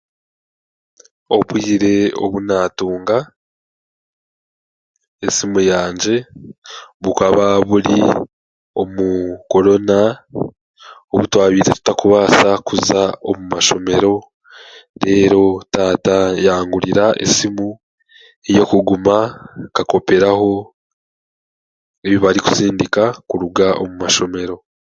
Obwire obu naatunga esimu yangye, bukaba buri omu korona obu twabaire tutarikubaasa kuza omu mashomero, reero taata yangurira esimu y'okuguma nkakoperaho ebi barikusindika kuruga omu mashomero.